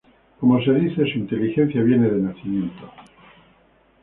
Como se dice su inteligencia viene de nacimiento.